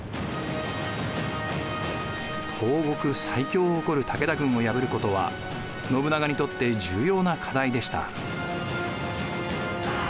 東国最強を誇る武田軍を破ることは信長にとって重要な課題でした。